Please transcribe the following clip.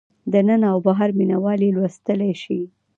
دننه او بهر مینه وال یې لوستلی شي.